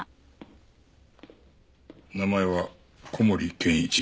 名前は古森謙一。